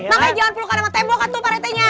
makanya jangan pelukan sama tembokan tuh pak rt nya